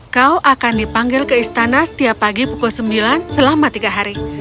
kau akan dipanggil ke istana setiap pagi pukul sembilan selama tiga hari